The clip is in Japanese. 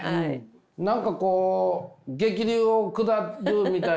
何かこう激流を下るみたいな。